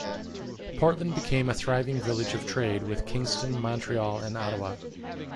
Portland became a thriving village of trade with Kingston, Montreal and Ottawa.